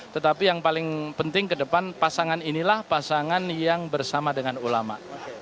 tetapi yang paling penting ke depan pasangan inilah pasangan yang bersama dengan ulama